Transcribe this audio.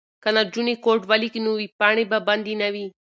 که نجونې کوډ ولیکي نو ویبپاڼې به بندې نه وي.